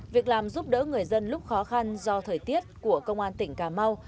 việc làm giúp đỡ người dân lúc khó khăn do thời tiết của công an tỉnh cà mau